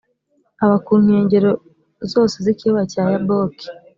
aba ku nkengero zose z’ikibaya cya yaboki+